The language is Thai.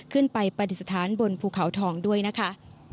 ขึ้นไปปฏิสธาตุบนภูเขาทองด้วยนะคะ